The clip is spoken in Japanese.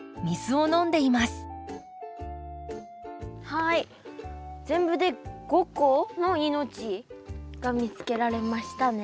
はい全部で５個の命が見つけられましたね。